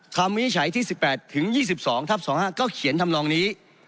วินิจฉัยที่๑๘ถึง๒๒ทับ๒๕ก็เขียนทำนองนี้